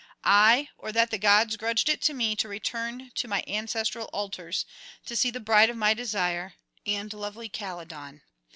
Aye, or that the gods grudged it me to return to [270 301]my ancestral altars, to see the bride of my desire, and lovely Calydon!